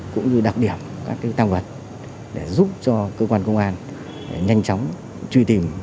cũng như đặc điểm các tăng vật để giúp cho cơ quan công an nhanh chóng truy tìm